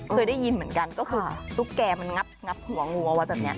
เคยได้ยินเหมือนกันก็คือตุ๊กแก่มันงัดหัวงูเอาไว้แบบนี้